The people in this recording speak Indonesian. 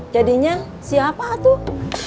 jadinya siapa tuh